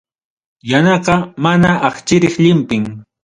Yanaqa, mana akchiriq llinpim.